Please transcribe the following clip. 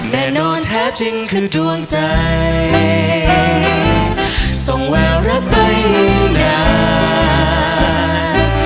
แน่นอนแท้จริงคือดวงใจทรงแววรักไปนาน